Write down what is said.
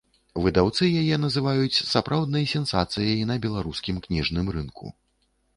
Выдаўцы яе называюць сапраўднай сенсацыяй на беларускім кніжным рынку.